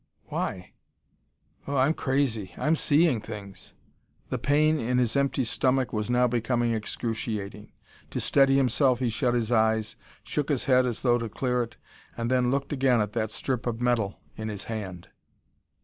Why? Oh I'm crazy. I'm seeing things!" The pain in his empty stomach was now becoming excruciating. To steady himself he shut his eyes, shook his head as though to clear it, then looked again at that strip of metal in his hand.